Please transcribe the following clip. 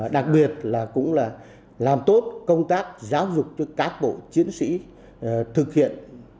đặc biệt là cũng là làm tốt công tác giáo dục cho cán bộ chiến sĩ thực hiện